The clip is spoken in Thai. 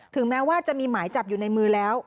แม้ว่าจะมีหมายจับอยู่ในมือแล้ว